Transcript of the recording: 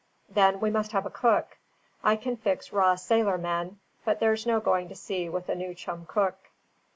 Then we must have a cook. I can fix raw sailor men, but there's no going to sea with a new chum cook.